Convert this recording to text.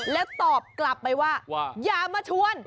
แล้วตอบกลับไปว่าอย่ามาชวน